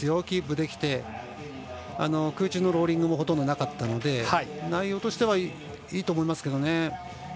キープできて空中のローリングもほとんどなかったので内容としてはいいと思いますけど。